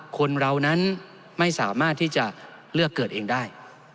คนเรานั้นไม่สามารถที่จะเลือกเกิดเองได้